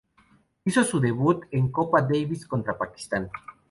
Hizo su debut en Copa Davis contra Pakistán.